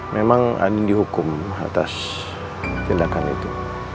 memang ada dihukum atas tindakan itu